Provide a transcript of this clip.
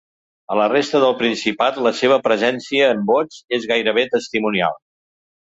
A la resta del Principat la seva presència en vots és gairebé testimonial.